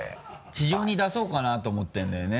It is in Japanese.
地上に出そうかなと思ってるんだよね